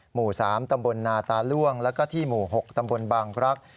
หมู่๓ตำบลนาตาล่วงแล้วก็ที่หมู่๖ตำบลบางรักษ